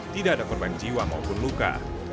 tidak ada korban jiwa maupun luka